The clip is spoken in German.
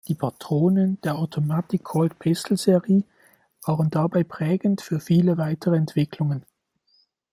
Die Patronen der Automatic-Colt-Pistol-Serie waren dabei prägend für viele weitere Entwicklungen.